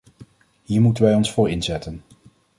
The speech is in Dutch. Hier moeten wij ons voor inzetten.